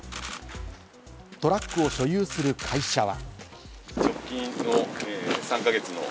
トラックを所有する会社は。